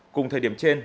cùng thời điểm trên